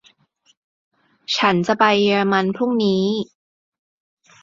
ฉันจะไปเยอรมันพรุ่งนี้